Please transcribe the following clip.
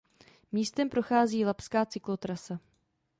Místem prochází Labská cyklotrasa.